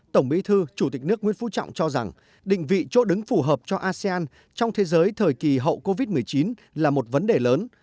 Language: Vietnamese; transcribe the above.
tổng bí thư chủ tịch nước nguyễn phú trọng cho rằng định vị chỗ đứng phù hợp cho asean trong thế giới thời kỳ hậu covid một mươi chín là một vấn đề lớn